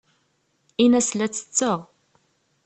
Ini-as la ttetteɣ.